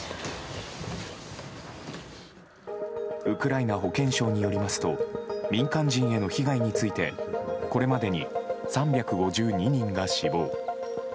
ウクライナ保健省によりますと民間人への被害についてこれまでに３５２人が死亡。